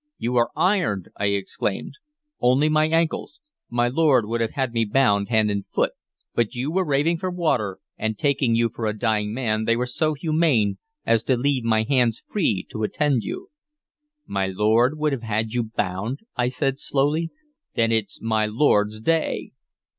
"You are ironed!" I exclaimed. "Only my ankles. My lord would have had me bound hand and foot; but you were raving for water, and, taking you for a dying man, they were so humane as to leave my hands free to attend you." "My lord would have had you bound," I said slowly. "Then it's my lord's day."